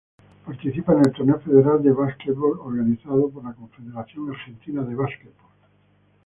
Participa en el Torneo Federal de Básquetbol, organizado por la Confederación argentina de básquetbol.